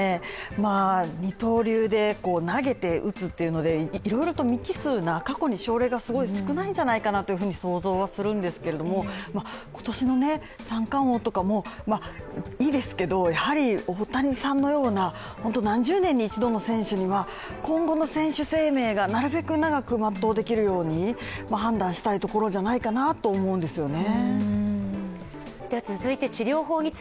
二刀流で投げて、打つというのでいろいろ未知数な過去に症例が少ないんじゃないかと想像するんですけど今年の３冠王とかもいいですけど、やはり大谷さんのような本当、何十年に一度の選手には、今後の選手生命がなるべく長く全うできるように判断したいところじゃないかなと思うんですよね。